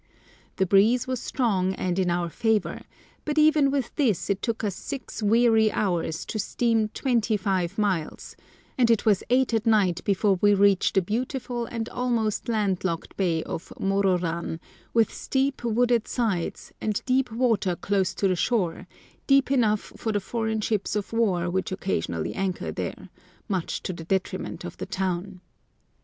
The breeze was strong and in our favour, but even with this it took us six weary hours to steam twenty five miles, and it was eight at night before we reached the beautiful and almost land locked bay of Mororan, with steep, wooded sides, and deep water close to the shore, deep enough for the foreign ships of war which occasionally anchor there, much to the detriment of the town.